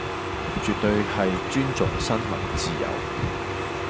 絕對係尊重新聞自由